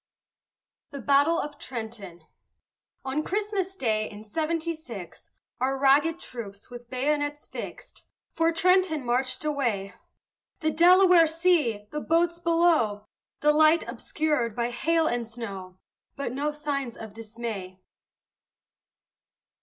THE BATTLE OF TRENTON On Christmas day in seventy six, Our ragged troops, with bayonets fixed, For Trenton marched away. The Delaware see! the boats below! The light obscured by hail and snow! But no signs of dismay.